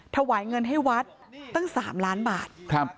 ถวายเงินให้วัดตั้ง๓ล้านบาท